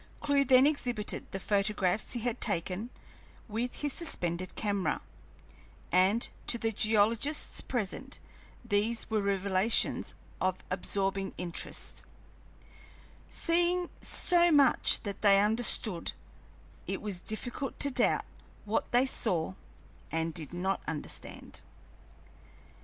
Clewe then exhibited the photographs he had taken with his suspended camera, and to the geologists present these were revelations of absorbing interest; seeing so much that they understood, it was difficult to doubt what they saw and did not understand.